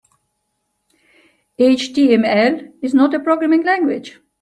HTML is not a programming language.